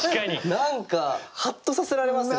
何かハッとさせられますね。